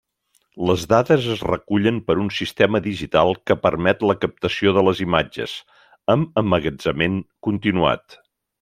Les dades es recullen per un sistema digital que permet la captació de les imatges, amb emmagatzemament continuat.